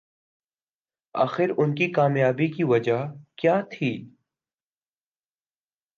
آخر ان کی کامیابی کی وجہ کیا تھی